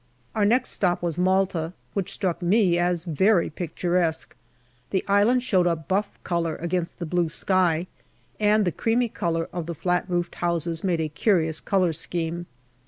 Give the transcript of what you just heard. Our next stop was Malta, which struck me as very picturesque. The island showed up buff colour against the blue sky, and the creamy colour of the flat roofed houses made a curious colour scheme.